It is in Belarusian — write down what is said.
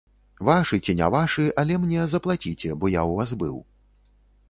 Вашы ці не вашы, але мне заплаціце, бо я ў вас быў.